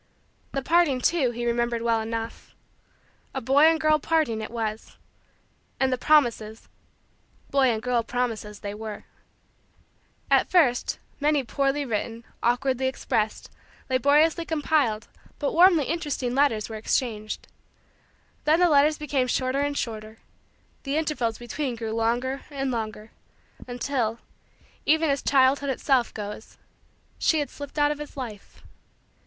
The parting, too, he remembered well enough. A boy and girl parting it was. And the promises boy and girl promises they were. At first many poorly written, awkwardly expressed, laboriously compiled, but warmly interesting letters were exchanged. Then the letters became shorter and shorter; the intervals between grew longer and longer; until, even as childhood itself goes, she had slipped out of his life.